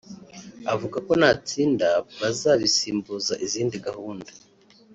avuga ko natsinda bazabisimbuza izindi gahunda